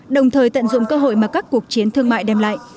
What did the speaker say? đồng thời tận dụng cơ hội mà các cuộc chiến thương mại đem lại